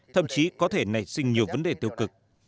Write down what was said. thậm chí có thể nảy sinh nhiều vấn đề tiêu cực